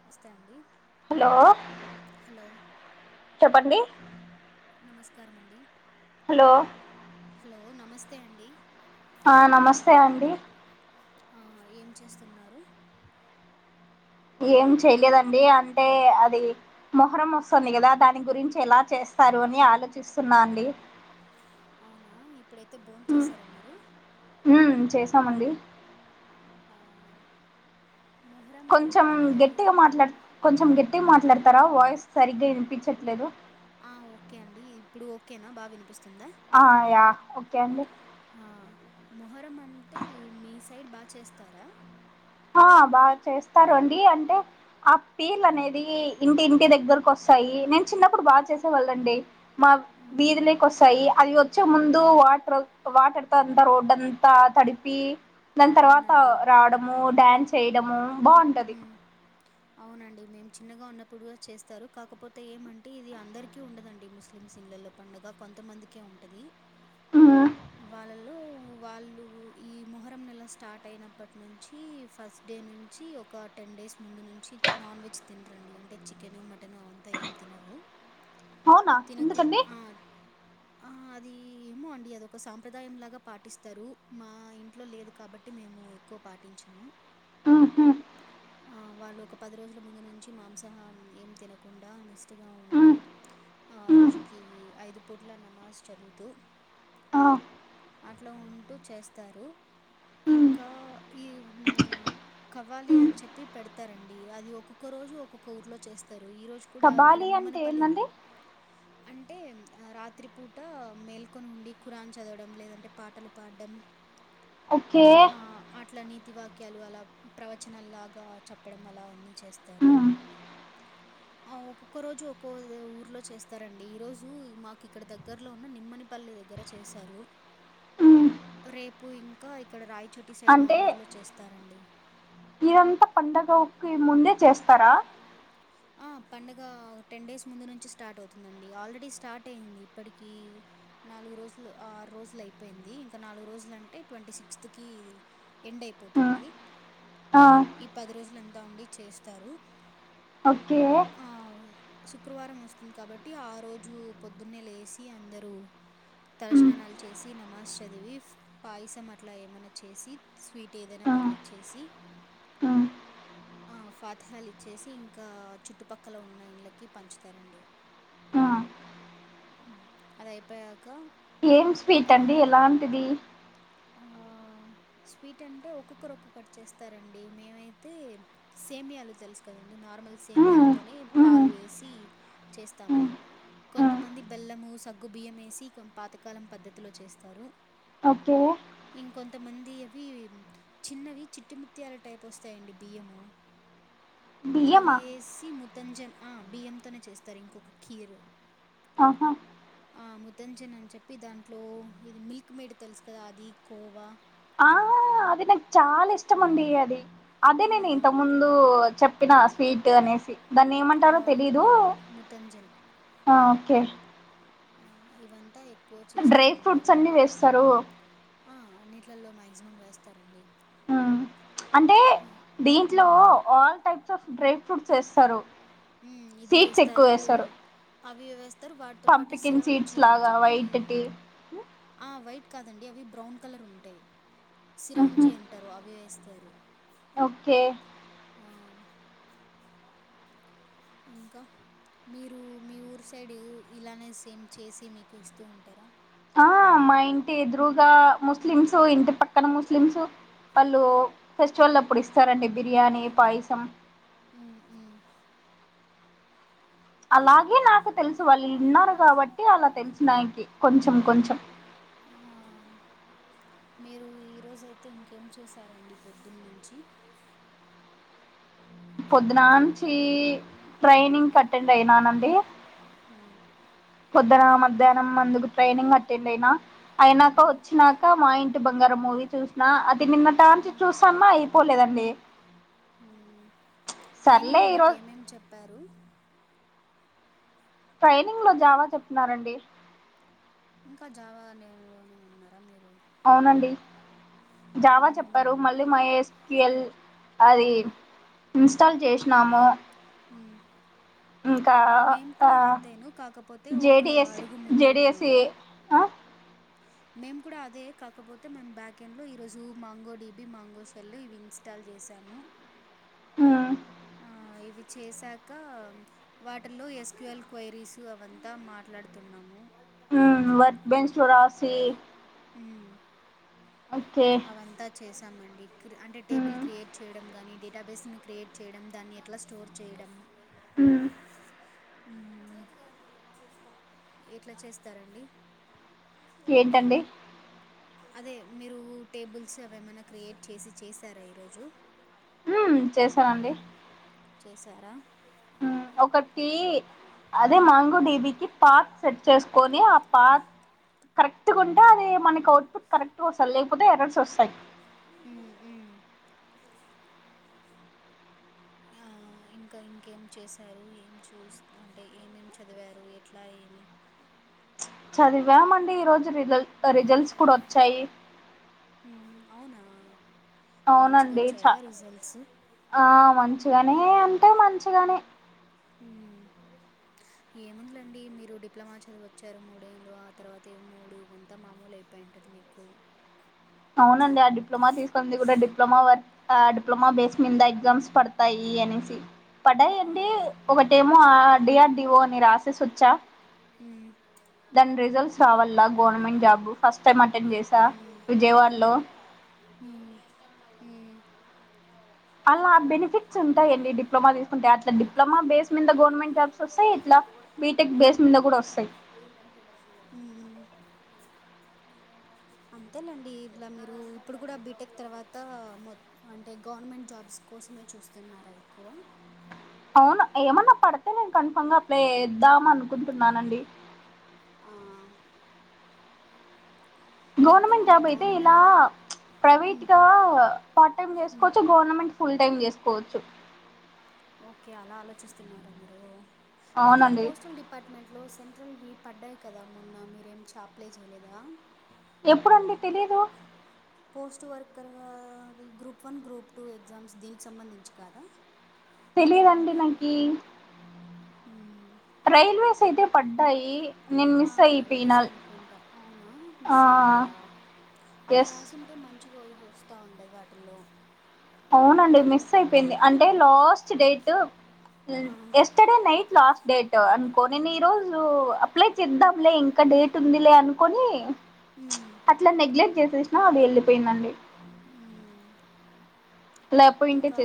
నమస్తే అండి హలో చెప్పండి నమస్కారమండి హలో హలో నమస్తే అండి ఆ నమస్తే అండి ఆ ఏం చేస్తున్నారు ఏం చెయలేదండి అంటే అది మొహరం వస్తుంది కదా దాని గురించి ఎలా చేస్తారు అని ఆలోచిస్తున్నా అండి అవునా ఇప్పుడైతే బోన్ చేశారా మీరు మ్ చేశామండి ఆ కొంచెం గట్టిగా మాట్లాడ కొంచెం గట్టిగా మాట్లాడతారా వాయిస్ సరిగ్గా వినిపించట్లేదు ఆ ఓకే అండి ఇప్పుడు ఓకేనా బాగా వినిపిస్తుందా ఆ యా ఓకే అండి మొహరం అంటే మీ సైడ్ బాచేస్తారా ఆ బాగా చేస్తారు అండి అంటే ఆ పీల్ అనేది ఇంటింటి దగ్గరకు వస్తాయి నేను చిన్నప్పుడు బాగా చేసేవాళ్ళండి మా వీధిలోకి వస్తాయి అది వచ్చే ముందు వాటర్ వాటర్తో అంతా రోడ్ంతా తడిపి దాని తర్వాత రావడము డ్యాన్స్ చేయడము బాగుంది అవునండి మేము చిన్నగా ఉన్నప్పుడు కూడా చేస్తారు కాకపోతే ఏమంటే ఇది అందరికి క ఉండదండి ముస్లింస్ ఇళ్లలో పండుగ కొంతమందికే ఉంటది ఆ వాళ్ళలో వాళ్ళు ఈ మొహరం నెల స్టార్ట్ అయినప్పటి నుంచి ఫస్ట్ డే నుంచి ఒక టెన్ డేస్ ముందు నుంచి నాన్ వెజ్ తినరండి అంటే చికెను మటను అ అంతా ఏం తినరు తినకు ఆ ఆ అది ఏమో అండి అదొక్ ఒక సాంప్రదాయంలాగా పాటిస్తారు మా ఇంట్లో లేదు కాబట్టి మేము ఎక్కువ పాటించము ఆ వాళ్ళు ఒక పది రోజుల ముందు నుంచి మాంసాహారం ఏం తినకుండా నిష్టగా ఉండి ఆ రోజుకి ఐదు పూట్ల నమాజ్ చదువుతూ ఆ అట్లా ఉంటూ చేస్తారు ఇంకా ఈ [unintelligible] కావ్వాలి అని చెప్పి పెడతారండి అది ఒక్కొక్క రోజు ఒక్కొక్క ఊర్లో చేస్తారు ఈ రోజు కూడా ఇక్కడ నిమ్మని పల్లి అంటే రాత్రిపూట మేల్కొని ఉండి ఖురాన్ చదవడం లేదంటే పాటలు పాడ్డం ఓకే అట్ల నీతి వాక్యాలు అలా ప్రవచనల్లాగా చెప్పడం అలా అన్నీ చేస్తారు ఆ ఒక్కొక్క రోజు ఒక్కో ఊర్లో చేస్తారండి ఈ రోజు మాకు ఇక్కడ దగ్గరలో ఉన్న నిమ్మని పల్లి దగ్గర చేశారు రేపు ఇంకా ఇక్కడ రాయచో ఈ సైడ్ మా ఊర్లో చేస్తారండి ఇదంతా పండగకి ముందే చేస్తారా ఆ పండగ ఒక టెన్ డేస్ ముందు నుంచి స్టార్ట్ అవుతుందండి ఆల్రెడీ స్టార్ట్ అయింది ఇప్పటికీ నాలుగు రోజులు ఆరు రోజులు అయిపోయింది ఇంకా నాలుగు రోజులు అంటే ట్వంటీ సిక్స్త్ కి ఎండ్ అయిపోతుంది ఆ ఈ పది రోజులు అంతా ఉండి చేస్తారు ఓకే ఆ శుక్రవారం వస్తుంది కాబట్టి ఆ రోజు పొద్దున్నే లేసి అందరూ తలస్నానాలు చేసి నమాజ్ చదివి పాయసం అట్లా ఏమైనా చేసి స్వీట్ ఏదైనా పర్లేదు చేసి ఆ ఫత్ త్యాలు ఇచ్చేసి ఇంకా చుట్టుపక్కల ఉన్న ఇన్లకి పంచుతారండి అది అయిపోయాక ఏం స్వీట్ అండి ఎలాంటిది ఆ స్వీట్ అంటే ఒక్కొక్కరు ఒక్కొక్కటి చేస్తారండి మేమైతే సేమియాలు తెలుసు కదండి నార్మల్ సేమియాలతోనే పాలు వేసి చేస్తాము కొంతమంది బెల్లము సగ్గు బియ్యం వేసి పాతకాలం పద్ధతిలో చేస్తారు ఓకే ఇంకొంతమంది అవి చిన్నవి చిట్టి ముత్యాల టైప్ వస్తాయండి బియ్యము అవి వేసి ముతంజన్ ఆ బియ్యంతోనే చేస్తారు ఇంకొక ఖీరు ఆహా ఆ ముతంజన్ అని చెప్పి దాంట్లో ఇది మిల్క్ మేడ్ తెలుసు కదా అది కోవా ఆ అది నాకు చాలా ఇష్టమండి అది అదే నేను ఇంత ముందు చెప్ స్వీట్ అనేసి దాన్ని ఏమంటారో తెలీదు ఓకే ఆ ఇవంతా ఎక్కువ చేస్తా ఉంటారు ఆ అన్నిట్లలల్లో మాక్సిమం వేస్తారండి అంటే దీంట్లో all types of dry fruits వేస్తారు ఉ ఇది ఏస్తారు అవి వేస్ ఇద్దరూ వాటితో పాటు సిరాంజి అని చెప్పి ఆ వైట్ కాదండి అవి బ్రౌన్ కలర్ ఉంటయ్ సిరంజీ అంటారు అవి వేస్ తారు ఓకే ఆ ఇంకా మీరు మీ ఊరు సైడ్ ఇలానే సేమ్ చేసి మీకు ఇస్తూ ఉంటారా ఆ మా ఇంటి ఎదురుగా ముస్లిమ్స్ ఇంటి పక్ క్కన ముస్లిమ్స్ వాళ్ళు ఫెస్టివల్ అప్పుడు ఇస్తారండి బిర్యానీ పాయసం ఉ ఉ అలాగే నాకు తెలుసు వాళ్ళు విన్నారు కాబట్టి అలా తెలుసు నాకి కొంచెం కొంచెం ఆ మీరు ఈరోజు అయితే ఇంకేం చేశారండి పొద్దున్న నుంచి పొద్దునాంచి ట్రైనింగ్కి అటెండ్ అయినానండి ఉమ్ పొద్దున మధ్యాహ్నం మందుకు ట్రైనింగ్ అటెండ్ అయినా అయినాక వచ్చిన ఇకా మా ఇంటి బంగారం మూవీ చూసినా అది నిన్న టా నుంచి చూసాన్నా అయిపోలేదండి ట్రైనింగ్ లో మీకు ఏమేమి చెప్పారు ట్రైనింగ్ లో జావా చెప్తున్నారండి ఇంకా జావా నే లోనే ఉన్నారా మీరు అవునండి జావా చెప్పారు మళ్ళీ మై ఎస్ క్యూ ఎల్ అది ఇన్స్టాల్ చేసినాము ఉ మేము కూడా అంతేను కాకపోతే ఒక అడుగు ముందరున్నాము మేము కూడా అదే కాకపోతే మేము బ్యాక్ ఎండ్ లో ఈరోజు మాంగో డీబీ మాంగో షెల్ ఇవి ఇన్ ఇన్స్టాల్ చేసాము ఆ ఆ ఇవి చేశాక వాటిల్లో ఎస్క్యూఎల్ క్వైరీస్ అవంతా మాట్లాడుతున్నాము అవంతా చేశామండి క్రి అంటే టేబుల్ క్రియేట్ చేయడం గాని డేటాబేస్ని క్రియేట్ చేయడం దాన్ని ఎట్లా స్టోర్ చేయడం ఎట్లా చేస్తారండి ఆ టాస్క్ అనేది వచ్చింది అదే మీరు టేబుల్స్ అవేమనా క్రియేట్ చేసి చేసారా ఈరోజు నాకు హండ్రెడ్ చేశానండి చేశారా ఒకటి అదే మాంగో డిబీకి పాత్ సెట్ చేసుకొని ఆ పాత్ కరెక్ట్ ఉంటే అది మనకి అవుట్ పుట్ కరెక్ట్గా వస్తంది లేకపోతే ఎర్రస్ వస్తాయి ఉ ఉ చేసుకో ఆ ఇంకా ఇంకేం చేశారు ఏం చూస్ అంటే ఏమేమి చదివారు ఎట్లా ఏమి చదివామండి ఈ రోజు రిజల్ రిజల్ట్స్ కూడా వచ్చాయి అవునా మంచిగా వచ్చాయా రిజల్ట్స్ ఆ మంచిగానే అంటే మంచిగానే ఉ ఏముందిలేండి మీరు డిప్లొమా చదివచ్చారు మూడేళ్ళు ఆ తర్వాత మూడు ఇవంతా మామూలయి పెంటది మీకు అవునండి ఆ డిప్లొమా తీసుకోంది కూడా డిప్లొమా వర్ ఆ డిప్లొమా బేస్ మింద ఎగ్జామ్స్ పడతాయి అనేసి. పడ్డాయి అండి ఒకటేమో ఆ డిఆర్ డి ఓ అని రాసేసి వచ్చా. మ్ దాని రిజల్ట్స్ రావల్ల government job first time attend చేసా. హ్మ్ మ్ అలా బెనిఫిట్స్ ఉంటాయి అండి డిప్లొమా తీసుకుంటే అట్ల డిప్లొమా బేస్ మింద గవర్నమెంట్ జాబ్స్ వస్తాయి, ఇట్ల బీటెక్ బేస్ మింద కూడా వస్తాయి. హ్మ్. అంతేలేండి ఇలా మీరు ఇప్పుడు కూడ బీటెక్ తర్వాత మొత్ అంటే గవర్నమెంట్ జాబ్స్ కోసమే చూస్తున్నార ఎక్కువ అవును ఏమన్న పడితే నేను కన్ఫామ్ గా అప్లై చేద్దాం అనుకుంటున్నానండి. ఆ గవర్నమెంట్ జాబ్ అయితే ఇలా ప్రైవేట్ గా పార్ట్ టైమ్ చేసుకోవచ్చు, గవర్నమెంట్ ఫుల్ టైమ్ చేసుకోవచ్చు. ఓకె అలా ఆలోచిస్తున్నారా మీరు అయితే పోస్టల్ డిప్ పార్ట్ మెంట్లో సెంట్రల్ వి పడ్డాయి కదా మొన్న మీరేం చా అప్లై చేయలేదా? ఎప్పుడు అండి తెలీదు పోస్ట్ వర్కర్ గా అవి group one group two exams దీనికి సంబంధించి కాదా తెలియదండి నాకీ. మ్మ్ రైల్వేస్ అయితే పడ్డాయి ఆ రైల్వేసె అనుకుంటా అవునా మిస్ అయిపోయారా అవి రాసిన్ టే మంచిగా వోయ్హ్ వస్తా ఉండ వాటిల్లో అవునండి మిస్ అయిపోయింది అంటే లాస్ట్ డేట్ ల్ ఎస్ స్టడే నైట్ లాస్ట్ డేట్ అనుకో నేను ఈ రోజు అప్లై చేద్దాంలే ఇంకా డేట్ ఉంటుంది లే అనుకొని మ్ అట్ల నెగ్లెట్ చేసేసినా అది ఎల్లిపోయిందండి. ఇంకా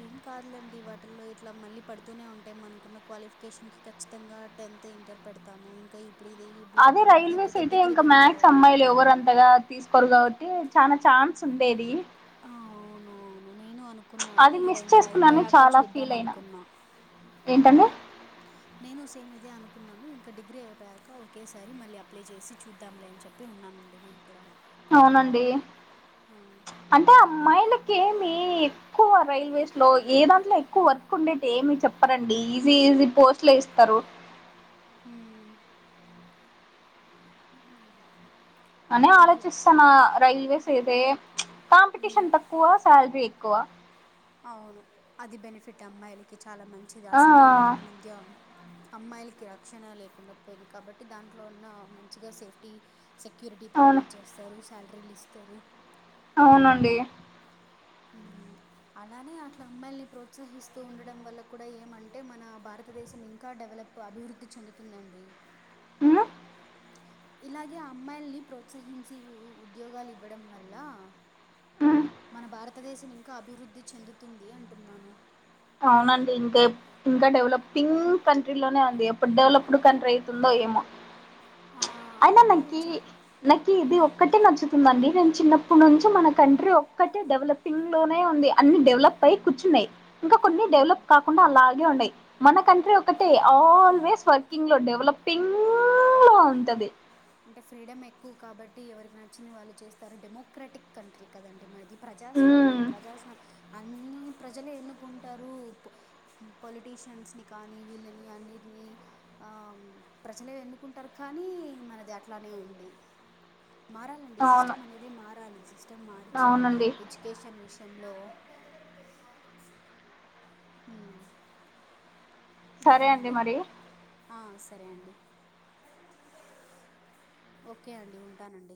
ఏం కాదు లేండి వాటిల్లో ఇట్ల మళ్ళీ పడుతూనే ఉంటాయి మనుకున్న క్వాలిఫికేషన్ కి ఖచ్చితంగా టెన్త్ ఇంటర్ పెడతాము ఇంకా ఇప్పుడు ఇది అదే రైల్వేస్ అయితే ఇంక మ్యాక్స్ అమ్మాయిలు ఎవరన్ తగా తీసుకోరు కాబట్టి చానా ఛాన్స్ ఉండేది ఆ అవును అవును నేను అనుకున్నాను ఇది ఇంక అయిపోయాక చూద్దాం అనుకున్నా ఏంటండి? నేను సేమ్ ఇదే అనుకున్నాను ఇంక డిగ్రీ అయిపోయాక ఒకేసారి మళ్ళీ అప్లై చేసి చూద్దాంలే అని చెప్ పి ఉన్నానండి నేను కూడ అవునండి అంటే అమ్మాయిలకి ఏమీ ఎక్కువ రైల్వేస్ లో ఏ దాంట్లో ఎక్కువ వర్క్ ఉండేటి ఏమి చెప్పరండి ఈజీ ఈజీ పోస్ట్ లె ఇస్తారు హ్మ్. అనే ఆలోచిస్తన్నా రైల్వేస్ అయితే కాంపిటీషన్ తక్కువ సాలరీ ఎక్కువ. అవును అది బెనిఫిట్ అమ్మాయిలకి చాలా మంచిది అసలే ఈ మధ్య అమ్మాయిలకి రక్షణ లేకుండా పోయింది కాబట్టి దాంట్లో ఉన్న మంచిగా సేఫ్టీ సెక్యూరిటీ ప్రొవైడ్ చేస్తారు సాలరీలు ఇస్తారు అవునండి. హ్మ్ అలానే అట్లా అమ్మాయిల్ని ప్రోత్సహిస్తూ ఉండడం వల్ల కూడా ఏమంటే మన భారతదేశం ఇంకా డెవలప్ అభివృద్ధి చెందుతుంది అండి ఇలాగే అమ్మాయిల్ని ప్రోత్సహించి ఉద్యోగాలు ఇవ్వడం వల్ల మన భారతదేశం ఇంకా అభివృద్ధి చెందుతుంది అంటున్నాను అవునండి ఇంకే ఇంకా డెవలపింగ్ కంట్రీలోనే ఉంది ఎప్పుడు డెవలప్డ్ కంట్రీ అవుతుందో ఏమో అయినా నాకి నాకి ఇది ఓ ఒక్కటే నచ్చుతుందండి నేను చిన్నప్పటి నుంచి మన కంట్రీ ఒక్కటే డెవలపింగ్లోనే ఉంది అన్ని డెవలప్ పై కూర్చున్నాయి ఇంకా కొన్ని డెవలప్ కాకుండా అలాగే ఉన్నాయి మన కంట్రీ ఒకటె ఆల్వేస్ వర్కింగ్లో డెవలపింగ్లో ఉంటది అంటే ఫ్రీడమ్ ఎక్కువ కాబట్టి ఎవరికి నచ్చింది వాళ్ళు చేస్తారు డెమోక్రాటిక్ కంట్రీ కదండి మనది ప్రజాస్వామ్యం ప్రజాస్వామ్య అన్నీ ప్రజలె ఎన్నుకుంటారు పొలిటీషియన్స్ని కానీ వీళ్ళని అన్నింటినీ ఆ ప్రజలే ఎన్నుకుంటారు కానీ మనది అట్లనే ఉంది మారాలండి సిస్టమ్ అనేదే మారాలి సిస్టమ్ మార్చి ఎజ్యుకేషన్ విషయంలో ఉమ్ ఇంకా అండి సరే అండి ఓకే అండి ఉంటానండి